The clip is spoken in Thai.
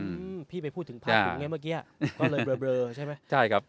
อืมพี่ไปพูดถึงภาพผมเนี้ยเมื่อกี้ก็เลยเบลอเบลอใช่ไหมใช่ครับ